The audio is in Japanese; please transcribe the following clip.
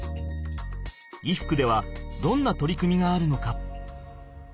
衣服ではどんな取り組みがあるのか？